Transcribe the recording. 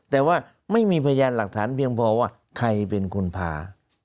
แต่ว่าไม่มีพยานหลักฐานเพียงพอว่าใครเป็นคนพา